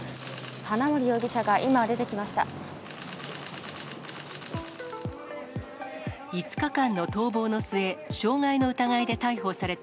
花森容疑者が今、出てきました。